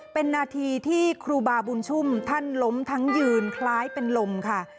เป็นนาทีที่ครูบาบุญชุ่มท่านล้มทั้งยืนคล้ายเป็นลมค่ะ